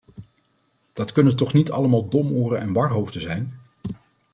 Dat kunnen toch niet allemaal domoren en warhoofden zijn?